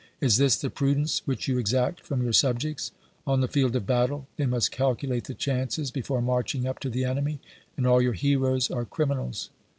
Is this the prudence which you exact from your subjects ? On the field of battle they must calculate the chances before marching up to the enemy, and all your heroes are criminals.